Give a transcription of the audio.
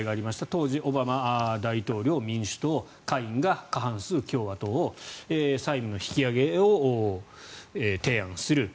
当時、オバマ大統領、民主党。下院が過半数、共和党債務の引き上げを提案する。